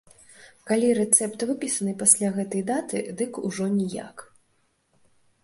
Калі рэцэпт выпісаны пасля гэтай даты, дык ўжо ніяк.